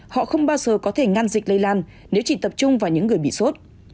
họ không bao giờ có thể ngăn dịch lây lan nếu chỉ tập trung vào những người bị sốt